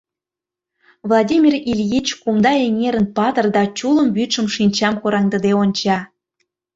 Владимир Ильич кумда эҥерын патыр да чулым вӱдшым шинчам кораҥдыде онча.